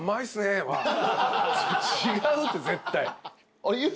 違うって絶対。